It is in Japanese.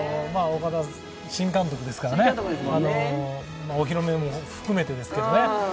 岡田新監督ですからね、お披露目も含めてですけどね。